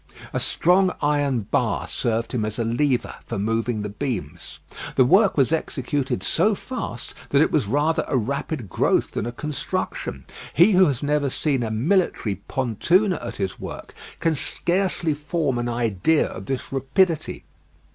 A strong iron bar served him as a lever for moving the beams. The work was executed so fast that it was rather a rapid growth than a construction. He who has never seen a military pontooner at his work can scarcely form an idea of this rapidity.